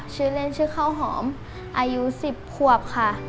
ชื่อเล่นชื่อข้าวหอมอายุ๑๐ขวบค่ะ